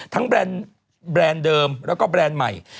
แบรนด์เดิมแล้วก็แบรนด์ใหม่